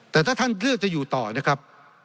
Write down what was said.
แต่ถ้าท่านเลือกจะอยู่ต่อนะครับ